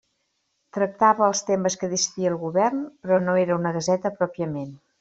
Tractava els temes que decidia el govern però no era una gaseta pròpiament.